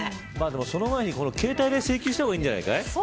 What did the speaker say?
その前に携帯で請求した方がいいんじゃない。